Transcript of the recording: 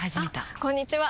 あこんにちは！